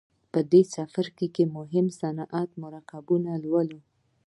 په دې څپرکي کې مهم صنعتي مرکبونه لولئ.